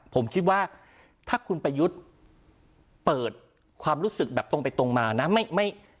ผมคิดว่าถ้าคุณประยุทธ์เปิดความรู้สึกแบบตรงไปตรงมานะไม่ไม่